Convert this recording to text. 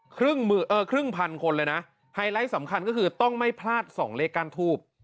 เออครึ่งพันคนเลยนะไฮไลท์สำคัญก็คือต้องไม่พลาดสองเลขก้านทูบ